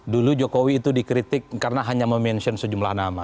dulu jokowi itu dikritik karena hanya mention sejumlah nama